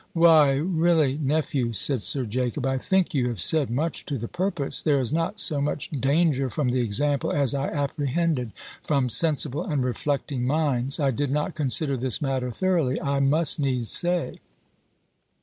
"Why, really, nephew," said Sir Jacob, "I think you have said much to the purpose. There is not so much danger, from the example, as I apprehended, from sensible and reflecting minds. I did not consider this matter thoroughly, I must needs say."